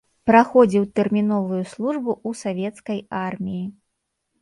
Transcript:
Праходзіў тэрміновую службу ў савецкай арміі.